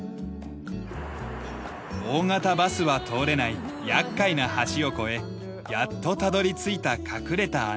大型バスは通れない厄介な橋を越えやっとたどり着いた隠れた穴場ビーチ